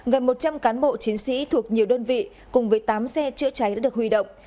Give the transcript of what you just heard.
gần một trăm linh cán bộ chiến sĩ thuộc nhiều đơn vị cùng với tám xe chữa cháy đã được huy động